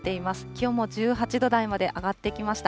気温も１８度台まで上がってきました。